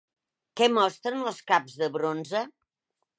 Què mostren els caps de bronze?